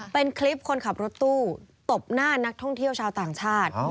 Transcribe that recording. เป็นคลิปคนขับรถตู้ตบหน้านักท่องเที่ยวชาวต่างชาติ